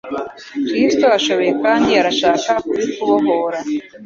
Kristo ashoboye kandi arashaka kubikubohora